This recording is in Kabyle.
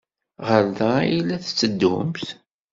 Ɣer da ay la d-tetteddumt?